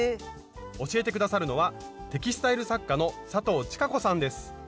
教えて下さるのはテキスタイル作家の佐藤千香子さんです。